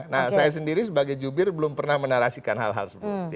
nah saya sendiri sebagai jubir belum pernah menarasikan hal hal seperti itu